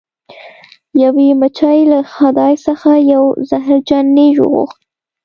یوې مچۍ له خدای څخه یو زهرجن نیش وغوښت.